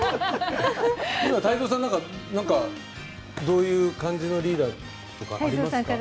太蔵さん、なんかどういう感じのリーダーとかあります？